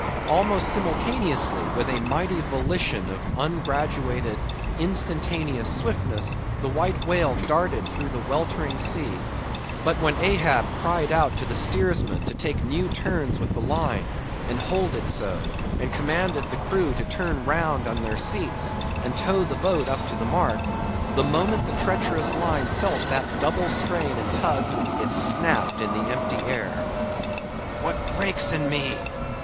Almost simultaneously, with a mighty volition of ungraduated, instantaneous swiftness, the White Whale darted through the weltering sea. But when Ahab cried out to the steersman to take new turns with the line, and hold it so; and commanded the crew to turn round on their seats, and tow the boat up to the mark; the moment the treacherous line felt that double strain and tug, it snapped in the empty air! "What breaks in me?